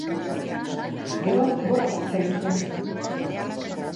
Gero gorago hitz egin zuen.